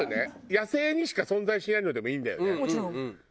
野生にしか存在しないのでもいいんだよね。